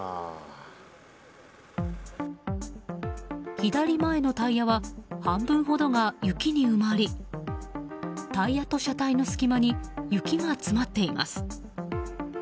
左前のタイヤは半分ほどが雪に埋まりタイヤと車体の隙間に雪が詰まっています。